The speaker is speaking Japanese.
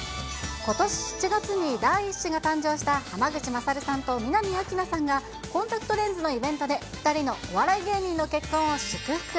ことし７月に第１子が誕生した濱口優さんと南明奈さんが、コンタクトレンズのイベントで、２人のお笑い芸人の結婚を祝福。